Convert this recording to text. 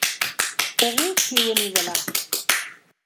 په غیږ کې ونیوله